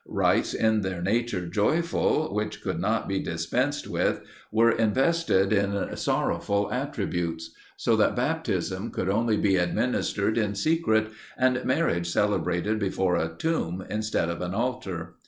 Rites in their nature joyful, which could not be dispensed with, were invested in sorrowful attributes: so that baptism could only be administered in secret; and marriage celebrated before a tomb instead of an altar.